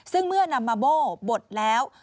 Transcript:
ซึ่งเมื่อนำมาโบ้บดแล้ว